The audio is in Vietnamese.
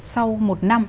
sau một năm